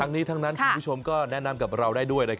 ทั้งนี้ทั้งนั้นคุณผู้ชมก็แนะนำกับเราได้ด้วย